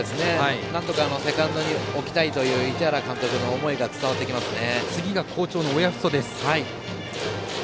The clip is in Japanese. なんとかセカンドに起きたいという市原監督の思いが伝わってきますね。